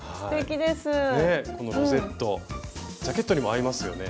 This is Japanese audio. このロゼットジャケットにも合いますよね。